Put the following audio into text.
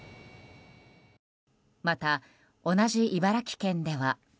また、同じ茨城県では。